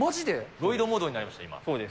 ロイドモードになりました。